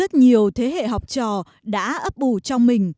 rất nhiều thế hệ học trò đã ấp ủ trong mình